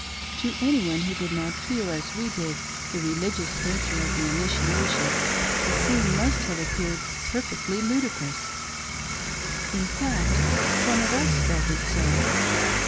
To any one who did not feel as we did the reli gious nature of the initiation, the scene must have appeared perfectly ludicrous. In fact, some of us felt it so.